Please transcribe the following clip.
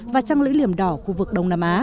và trăng lưỡi liềm đỏ khu vực đông nam á